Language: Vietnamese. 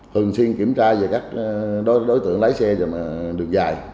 thường xuyên kiểm tra về các đối tượng lái xe đường dài